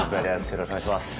よろしくお願いします。